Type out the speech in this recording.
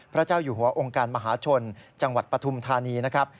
พระเจ้าอยู่หัวองค์การมหาชนจังหวัดปฐุมธานีนะครับ